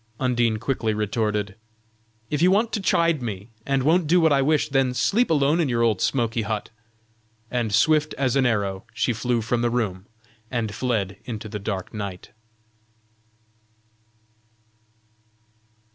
Undine quickly retorted: "If you want to chide me, and won't do what I wish, then sleep alone in your old smoky hut!" and swift as an arrow she flew from the room, and fled into the dark night.